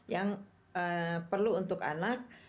yang perlu untuk anak